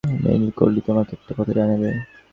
Miss Velma Kelly, তোমাকে একটা কথা জানিয়ে দেই।